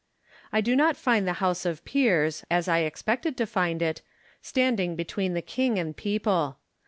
I do not find the House of Peers, as I expected to find it, standing between the king and people.